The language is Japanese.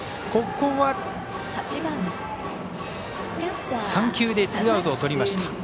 ここは３球でツーアウトをとりました。